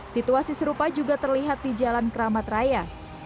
situasi serupa juga terlihat di jalan keramat raya